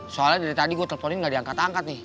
soalnya dari tadi gue teleponin gak diangkat angkat nih